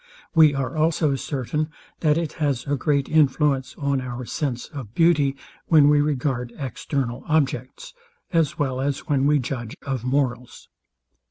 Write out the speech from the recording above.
We are also certain, that it has a great influence on our sense of beauty, when we regard external objects, as well as when we judge of morals.